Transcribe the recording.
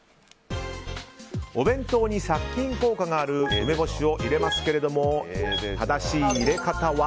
お弁当に殺菌効果がある梅干しを入れますが正しい入れ方は？